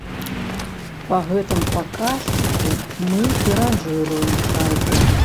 Па гэтым паказчыку мы і ранжыруем сайты.